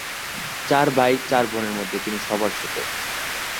চার ভাই চার বোনের মধ্যে তিনি সবার ছোটো।